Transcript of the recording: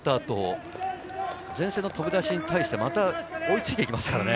前線の飛び出しに対して追いついていきますからね。